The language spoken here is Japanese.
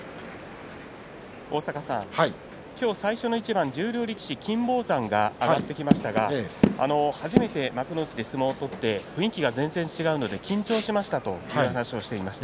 今日、最初の一番十両力士、金峰山が上がってきましたが初めて幕内で相撲を取って雰囲気が全然違うので緊張しましたという話をしていました。